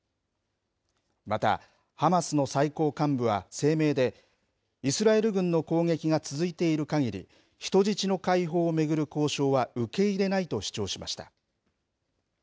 また、ハマスの最高幹部は声明で、イスラエル軍の攻撃が続いているかぎり、人質の解放を巡る交渉は受け入れないと主張しました。